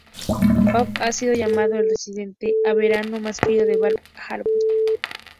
Abbe ha sido llamado "el residente de verano más querido de Bar Harbor".